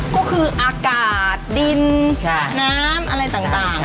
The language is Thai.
ก็คืออากาศดินน้ำอะไรต่าง